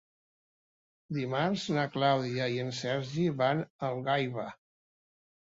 Dimarts na Clàudia i en Sergi van a Algaida.